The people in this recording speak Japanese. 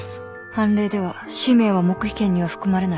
判例では氏名は黙秘権には含まれない